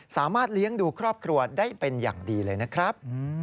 สามารถเลี้ยงดูครอบครัวได้เป็นอย่างดีเลยนะครับ